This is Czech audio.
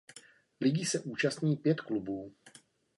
Ligy se účastní pět klubů.